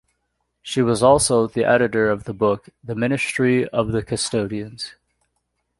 She was also the editor of the book "The Ministry of the Custodians".